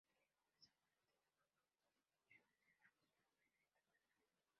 El limón de Samaná tiene una producción de arroz que amerita canales.